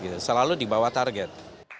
itu dibawah target